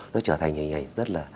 nó trở thành hình ảnh rất là